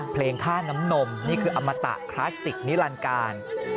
ค่าน้ำนมนี่คืออมตะคลาสติกนิรันการ